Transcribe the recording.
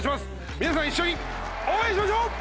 皆さん一緒に応援しましょう！